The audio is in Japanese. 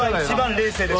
冷静です。